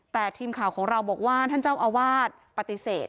แต่ทีมข่าวของเราบอกว่าท่านเจ้าอาวาสปฏิเสธ